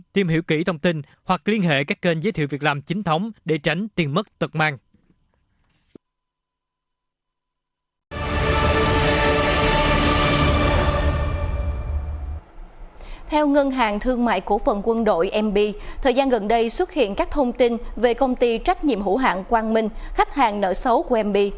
theo ngân hàng thương mại cổ phận quân đội mb thời gian gần đây xuất hiện các thông tin về công ty trách nhiệm hữu hạng quang minh khách hàng nợ xấu của mb